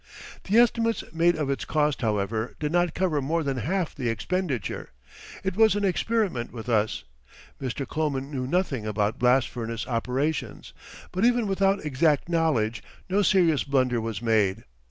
The estimates made of its cost, however, did not cover more than half the expenditure. It was an experiment with us. Mr. Kloman knew nothing about blast furnace operations. But even without exact knowledge no serious blunder was made.